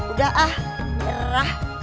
udah ah merah